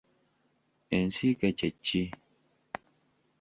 Ensiike kye ki?